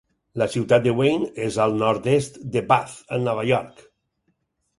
La ciutat de Wayne és al nord-est de Bath, a Nova York.